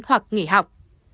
hoặc nghỉ học